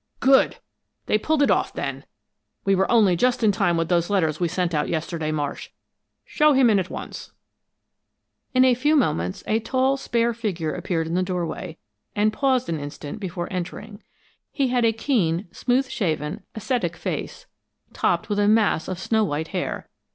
"Good! They pulled it off, then! We were only just in time with those letters we sent out yesterday, Marsh. Show him in at once." In a few moments a tall, spare figure appeared in the doorway, and paused an instant before entering. He had a keen, smooth shaven, ascetic face, topped with a mass of snow white hair.